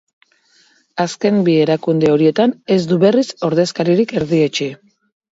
Azken bi erakunde horietan ez du berriz ordezkaririk erdietsi.